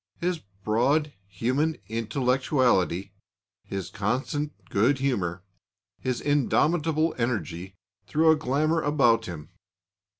His broad human intellectuality, his constant good humour, his indomitable energy, threw a glamour about him.